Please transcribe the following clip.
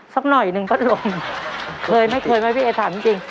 สักหน่อยหนึ่งพัดลมเคยไม่เคยไหมพี่เอ๋ถามจริง